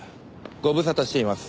ご無沙汰しています。